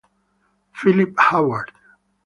Philip Howard